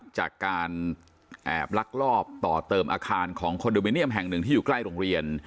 จากการแอบลักลอบต่อเติมอาคารของคอนโดมิเนียมแห่งหนึ่งที่อยู่ใกล้โรงเรียน